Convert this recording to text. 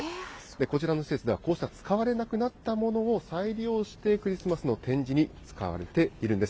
こちらの施設では、こうした使われなくなったものを再利用して、クリスマスの展示に使われているんです。